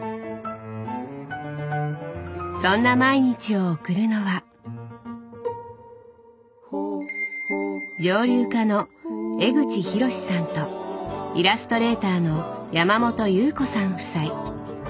そんな毎日を送るのは蒸留家の江口宏志さんとイラストレーターの山本祐布子さん夫妻。